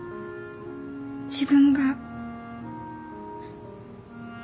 自分が